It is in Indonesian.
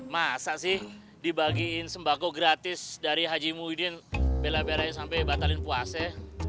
masa sih dibagiin sembako gratis dari haji muhyiddin bela belain sampai batalin puasa